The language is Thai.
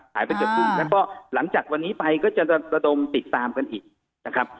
หายไปเกือบครึ่งแล้วก็หลังจากวันนี้ไปก็จะระดมติดตามกันอีกนะครับ